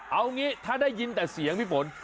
เอางี้ถ้าได้ยินแต่เสียงพี่ฝน